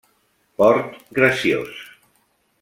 Port graciós.